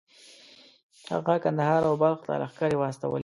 هغه کندهار او بلخ ته لښکرې واستولې.